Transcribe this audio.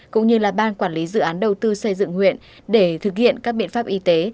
cũng như là ban quản lý dự án đầu tư xây dựng huyện để thực hiện các biện pháp y tế